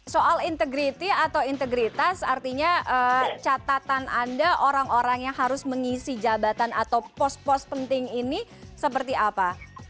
soal integrity atau integritas artinya catatan anda orang orang yang harus mengisi jabatan atau pos pos penting ini seperti apa